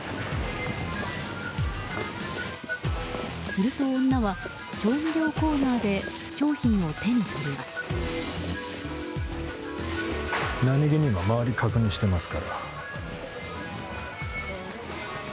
すると、女は調味料コーナーで商品を手に取ります。